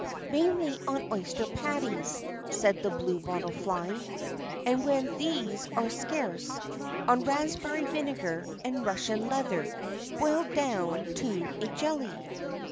"Mainly on oyster patties," said the bluebottle fly; "and, when these are scarce, on raspberry vinegar and Russian leather boiled down to a jelly."